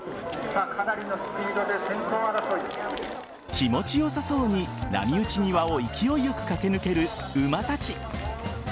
気持ち良さそうに波打ち際を勢いよく駆け抜ける馬たち。